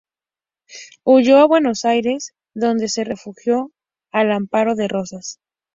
Huyó a Buenos Aires, donde se refugió al amparo de Rosas.